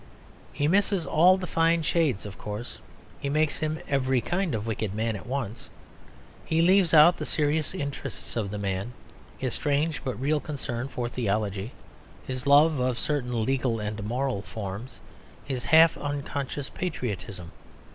He misses all the fine shades, of course; he makes him every kind of wicked man at once. He leaves out the serious interests of the man: his strange but real concern for theology; his love of certain legal and moral forms; his half unconscious patriotism.